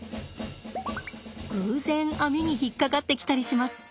偶然網に引っ掛かってきたりします。